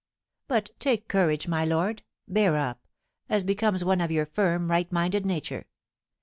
But take courage, my lord, bear up, as becomes one of your firm, right minded nature.